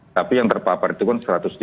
tapi yang terpapar itu kan satu ratus tiga puluh